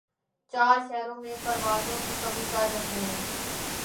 چار شہرو ں میں پروازوں کی کمی کر رہے ہیں